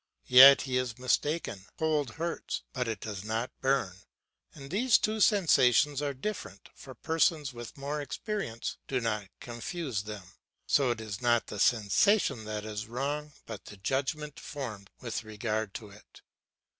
Yet he is mistaken; cold hurts, but it does not burn; and these two sensations are different, for persons with more experience do not confuse them. So it is not the sensation that is wrong, but the judgment formed with regard to it.